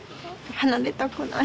離れたくない。